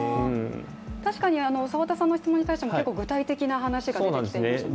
確かに澤田さんの質問に対しても具体的な話が出てきていましたもんね。